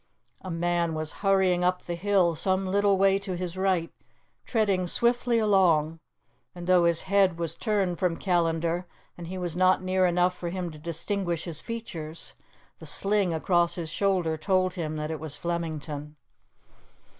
A man was hurrying up the hill some little way to his right, treading swiftly along, and, though his head was turned from Callandar, and he was not near enough for him to distinguish his features, the sling across his shoulder told him that it was Flemington.